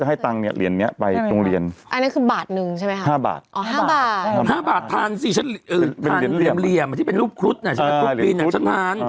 ๕บาททานสิทานเหลี่ยมที่เป็นรูปครุฑน่ะใช่ไหมครุฑปีนอ่ะฉันทาน